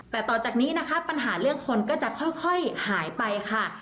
แต่ต่อจากนี้นะคะปัญหาเรื่องคนก็จะค่อยหายไปค่ะ